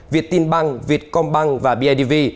việt tinh băng việt công băng và bidv